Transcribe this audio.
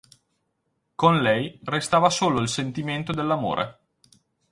Con lei restava solo il sentimento dell'amore.